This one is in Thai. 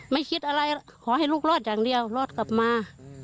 ไม่คิดอะไรขอให้ลูกรอดอย่างเดียวรอดกลับมา